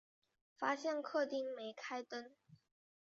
发现客厅没开灯